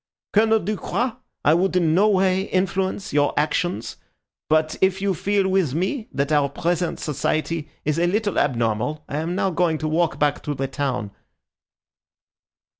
Colonel Ducroix, I would in no way influence your actions, but if you feel with me that our present society is a little abnormal, I am now going to walk back to the town."